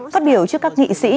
phát biểu trước các nghị sĩ